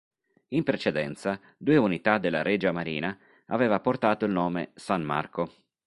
In precedenza due unità della Regia Marina aveva portato il nome "San Marco".